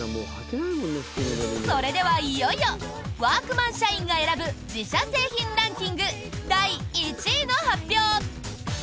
それではいよいよワークマン社員が選ぶ自社製品ランキング第１位の発表！